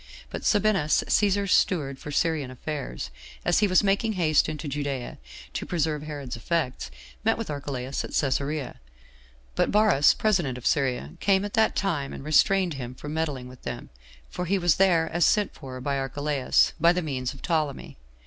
But Sabinus, Cæsar's steward for Syrian affairs, as he was making haste into Judea to preserve Herod's effects, met with Archelaus at Cæsarea; but Varus [president of Syria] came at that time, and restrained him from meddling with them, for he was there as sent for by Archceaus, by the means of Ptolemy.